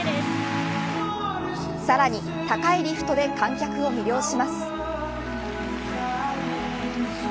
さらに高いリフトで観客を魅了します。